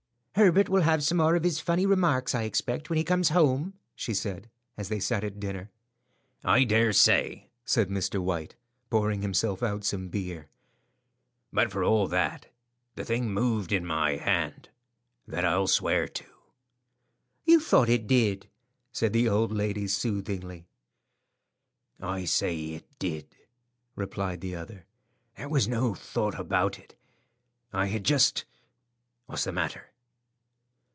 "Herbert will have some more of his funny remarks, I expect, when he comes home," she said, as they sat at dinner. "I dare say," said Mr. White, pouring himself out some beer; "but for all that, the thing moved in my hand; that I'll swear to." "You thought it did," said the old lady soothingly. "I say it did," replied the other. "There was no thought about it; I had just— What's the matter?"